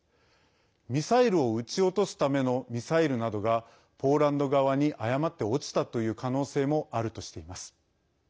ミサイルを撃ち落とすためのミサイルなどが、ポーランド側に誤って落ちたという可能性もあるとしています。